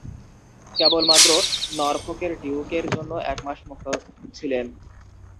কেবলমাত্র নরফোকের ডিউকের জন্য একমাস মুক্ত ছিলেন।